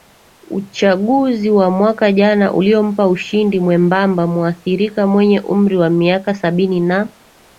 uchaguzi wa mwaka jana uliompa ushindi mwembamba Mutharika mwenye umri wa miaka sabini na